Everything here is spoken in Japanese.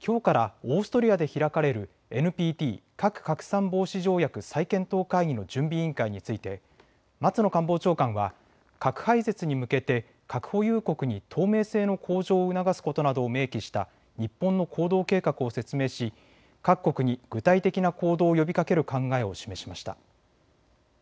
きょうからオーストリアで開かれるＮＰＴ・核拡散防止条約再検討会議の準備委員会について松野官房長官は核廃絶に向けて核保有国に透明性の向上を促すことなどを明記した日本の行動計画を説明し各国に具体的な行動を呼びかける考えを示しました。